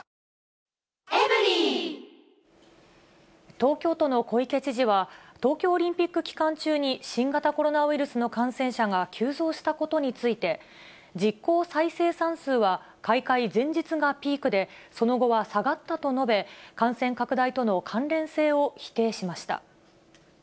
東京都の小池知事は、東京オリンピック期間中に新型コロナウイルスの感染者が急増したことについて、実効再生産数は開会前日がピークで、その後は下がったと述べ、感染拡大との関連性を否定しました。